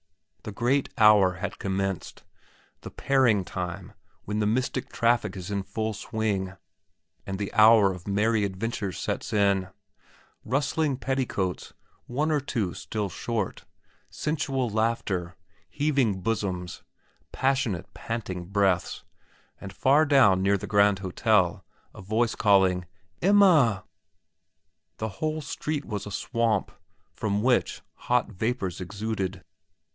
The great hour had commenced, the pairing time when the mystic traffic is in full swing and the hour of merry adventures sets in. Rustling petticoats, one or two still short, sensual laughter, heaving bosoms, passionate, panting breaths, and far down near the Grand Hotel, a voice calling "Emma!" The whole street was a swamp, from which hot vapours exuded.